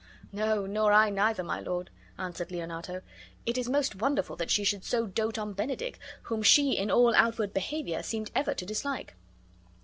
"No, nor I neither, my lord," answered Leonato. "It is most wonderful that she should so dote on Benedick, whom she in all outward behavior seemed ever to dislike."